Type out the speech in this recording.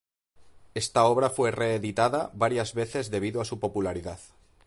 Esta obra fue reeditada varias veces debido a su popularidad.